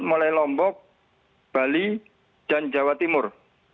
mulai lombok bali dan jawa timur